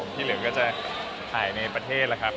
ที่เหลือก็จะถ่ายในประเทศแล้วครับ